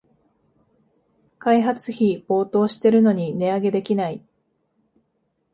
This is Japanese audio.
開発費暴騰してるのに値上げできない